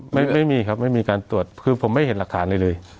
ไม่มีครับไม่มีการตรวจคือผมไม่เห็นหลักฐานอะไรเลย